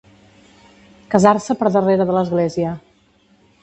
Casar-se per darrere de l'església.